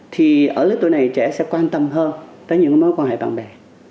thì ở lứa tuổi này trẻ sẽ quan tâm hơn tới những mối quan hệ bạn bè